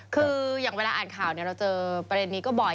คืออย่างเวลาอ่านข่าวเราเจอประเด็นนี้ก็บ่อย